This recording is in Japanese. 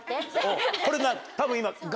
これ多分今。